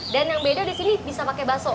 dan yang beda di sini bisa pakai baso